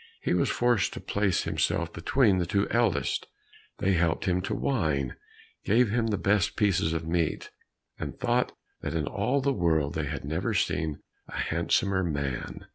He was forced to place himself between the two eldest, they helped him to wine, gave him the best pieces of meat, and thought that in all the world they had never seen a handsomer man.